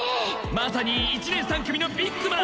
まさに１年３組のビッグマン！